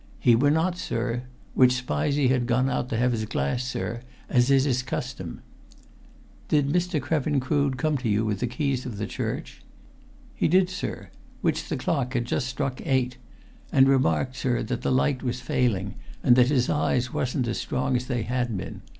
"He were not, sir. Which Spizey had gone out to have his glass, sir as is his custom." "Did Mr. Krevin Crood come to you with the keys of the church?" "He did, sir. Which the clock had just struck eight. And remarked, sir, that the light was failing, and that his eyes wasn't as strong as they had been.